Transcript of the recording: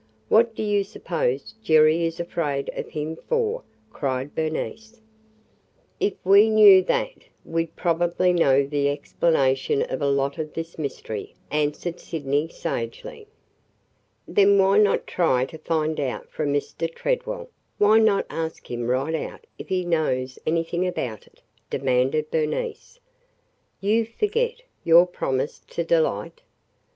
"What do you suppose Jerry is afraid of him for?" cried Bernice. "If we knew that, we 'd probably know the explanation of a lot of this mystery," answered Sydney sagely. "Then why not try to find out from Mr. Tredwell? Why not ask him right out if he knows anything about it?" demanded Bernice. "You forget – your promise to Delight!"